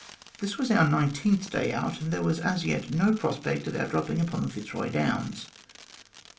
This was our nineteenth day out, and there was as yet no prospect of our dropping upon the Fitzroy Downs.